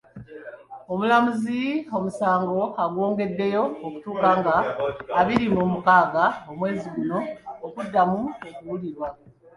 Omulamuzi omusango agwongeddeyo okutuuka nga abiri mu mukaaga omwezi guno okuddamu okuwulirwa.